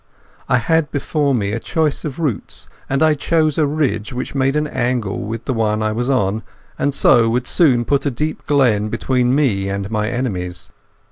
I had before me a choice of routes, and I chose a ridge which made an angle with the one I was on, and so would soon put a deep glen between me and my enemies.